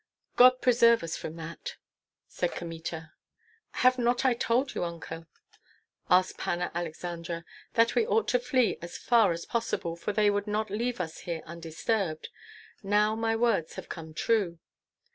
"God preserve us from that!" said Kmita. "Have not I told you, Uncle," asked Panna Aleksandra, "that we ought to flee as far as possible, for they would not leave us here undisturbed? Now my words have come true."